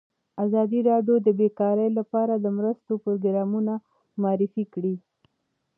ازادي راډیو د بیکاري لپاره د مرستو پروګرامونه معرفي کړي.